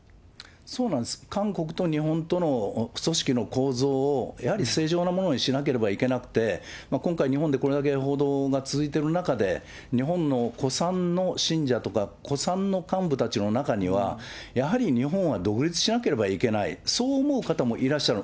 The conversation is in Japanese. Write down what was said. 韓国と日本との組織の構造をやはり正常なものにしなければいけなくて、今回、日本でこれだけ報道が続いてる中で、日本の古参の信者とか、古参の幹部たちの中にはやはり日本は独立しなければいけない、そう思う方もいらっしゃる。